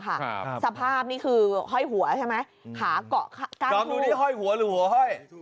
ครับสภาพนี่คือห้อยหัวใช่ไหมขาเกาะกั้นดอมดูนี่ห้อยหัวหรือหัวห้อย